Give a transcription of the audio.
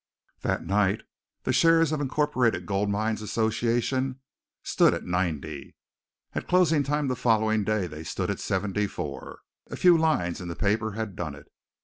That night, shares in the Incorporated Gold Mines Association stood at 90. At closing time the following day they stood at 74. A few lines in the paper had done it.